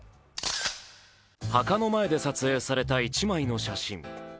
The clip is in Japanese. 墓の前で撮影された１枚の写真。